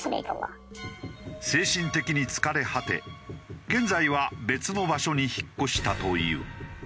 精神的に疲れ果て現在は別の場所に引っ越したという。